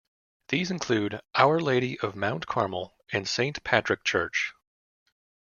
These include Our Lady of Mount Carmel and Saint Patrick Church.